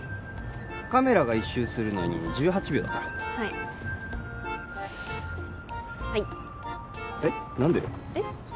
カメラが１周するのに１８秒だからはいはいえっ何で？